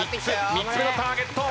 ３つ目のターゲット。